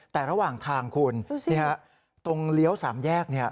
แต่ระหว่างทางคุณตรงเลี้ยว๓แยก